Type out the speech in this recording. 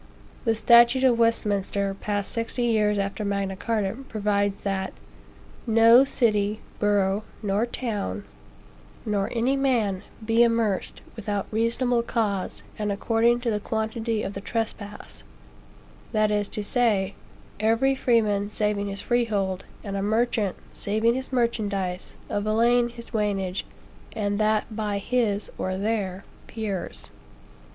The statute of Westminster, passed sixty years after Magna Carta, provides that,"No city, borough, nor town, nor any man, be amerced, without reasonable cause, and according to the quantity of the trespass; that is to say, every freeman saving his freehold, a merchant saving his merchandise, a villein his waynage, and that by his or their peers."